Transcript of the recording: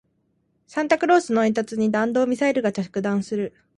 サンタクロースの煙突に弾道ミサイルが着弾する